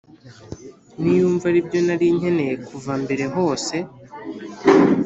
niyumva ari byo nari nkeneye kuva mbere hose